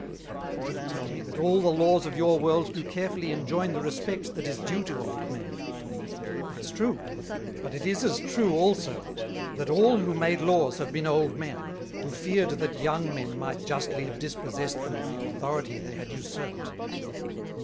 But you'll tell me, that all the Laws of your World do carefully enjoin the Respect that is due to Old Men: That's true; but it & as true also, that all who made Laws have been Old Men, who feared that Young Men might justly have dispossessed them of the Authority they had usurped.